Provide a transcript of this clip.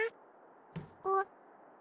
あっ。